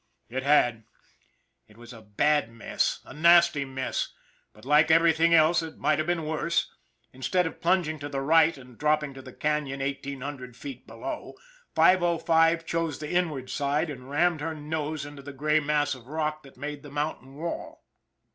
It had. It was a bad mess, a nasty mess but, like everything else, it might have been worse. Instead of plunging to the right and dropping to the canon eigh teen hundred feet below, 505 chose the inward side and rammed her nose into the gray mass of rock that made the mountain wall.